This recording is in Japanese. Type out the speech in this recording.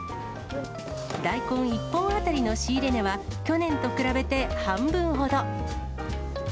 大根１本当たりの仕入れ値は、去年と比べて半分ほど。